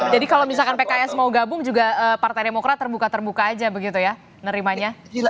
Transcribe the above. jadi kalau misalkan pks mau gabung juga partai demokrat terbuka terbuka aja begitu ya nerimanya